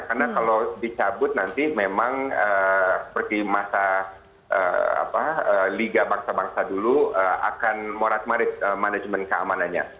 karena kalau dicabut nanti memang seperti masa liga bangsa bangsa dulu akan morat marit manajemen keamanannya